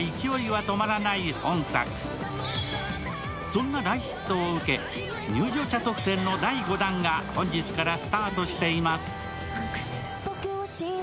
そんな大ヒットを受け入場者特典の第５弾が本日からスタートしています。